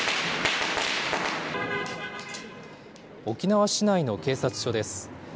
沖縄市内の警察署です。